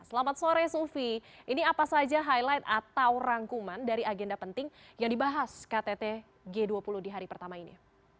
selamat sore sufi ini apa saja highlight atau rangkuman dari agenda penting yang dibahas ktt g dua puluh di hari pertama ini